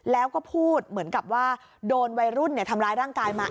แล้วก็พูดเหมือนกับว่าโดนวัยรุ่นทำร้ายร่างกายมา